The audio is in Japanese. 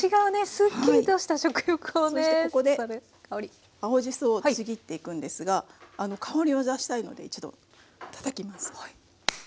そしてここで青じそをちぎっていくんですが香りを出したいので一度たたきます。